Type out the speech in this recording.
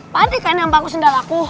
pak de kan yang paku sendal aku